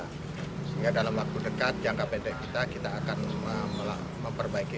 sehingga dalam waktu dekat jangka pendek kita kita akan memperbaiki